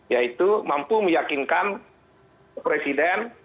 yaitu mampu meyakinkan presiden